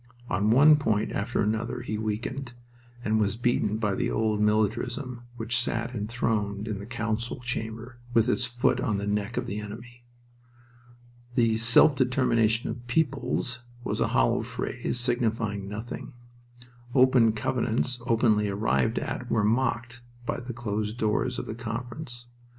On one point after another he weakened, and was beaten by the old militarism which sat enthroned in the council chamber, with its foot on the neck of the enemy. The "self determination of peoples" was a hollow phrase signifying nothing. Open covenants openly arrived at were mocked by the closed doors of the Conference.